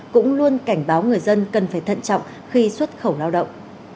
cũng luôn cảnh báo người dân cần phải thận trọng khi xuất khẩu lao động